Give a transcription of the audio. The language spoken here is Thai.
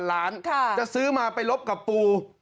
ล้านจะซื้อมาไปลบกับปู